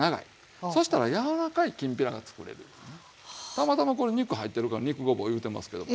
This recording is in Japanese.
たまたまこれ肉入ってるから肉ごぼういうてますけども。